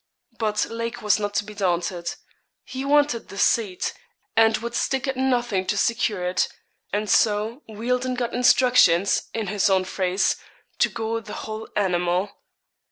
But Lake was not to be daunted. He wanted the seat, and would stick at nothing to secure it; and so, Wealdon got instructions, in his own phrase, to go the whole animal.